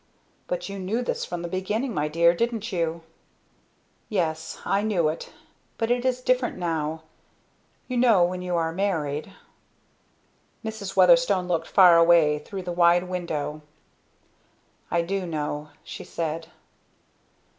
"But you knew this from the beginning, my dear, didn't you?" "Yes I knew it but it is different now. You know when you are married " Mrs. Weatherstone looked far away through the wide window. "I do know," she said.